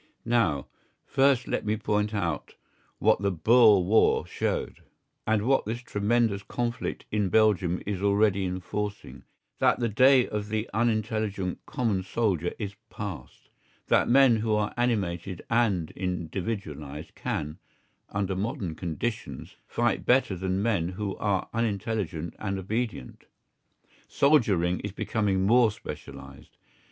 Now, first let me point out what the Boer War showed, and what this tremendous conflict in Belgium is already enforcing, that the day of the unintelligent common soldier is past; that men who are animated and individualised can, under modern conditions, fight better than men who are unintelligent and obedient. Soldiering is becoming more specialised.